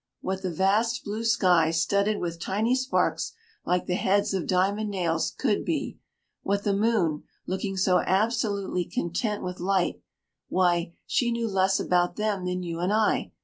What the vast blue sky, studded with tiny sparks like the heads of diamond nails, could be; what the moon, looking so absolutely content with light why, she knew less about them than you and I!